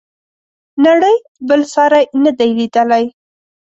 نړۍ بل ساری نه دی لیدلی.